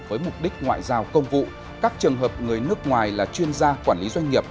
với mục đích ngoại giao công vụ các trường hợp người nước ngoài là chuyên gia quản lý doanh nghiệp